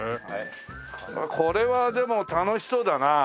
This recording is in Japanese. これはでも楽しそうだなあ。